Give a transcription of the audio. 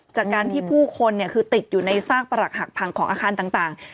จากการที่ผู้คนคือติดอยู่ในซากประหลักหักพังของอาคารต่าง